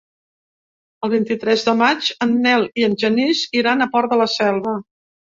El vint-i-tres de maig en Nel i en Genís iran al Port de la Selva.